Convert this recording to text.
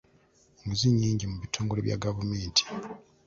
Enguzi nnyingi mu bitongole bya gavumenti.